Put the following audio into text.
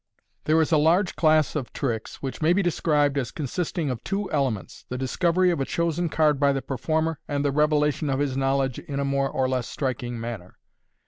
There is a large class of tricks which may be described as consisting of two elements — the discovery of a chosen card by the performer, and the revelation of his knowledge in a more or less striking manner.